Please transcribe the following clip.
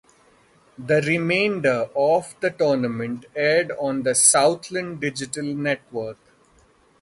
The remainder of the tournament aired on the Southland Digital Network.